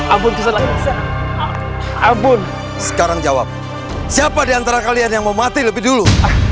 abun kesalahan abun sekarang jawab siapa diantara kalian yang mau mati lebih dulu